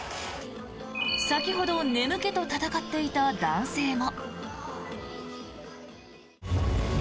先ほど、眠気と戦っていた男性も。